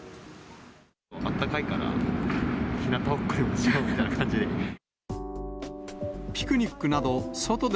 あったかいから、ひなたぼっこでもしようかなって感じで。